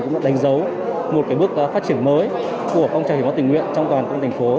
cũng đã đánh dấu một bước phát triển mới của công trạng hiến máu tình nguyện trong toàn thành phố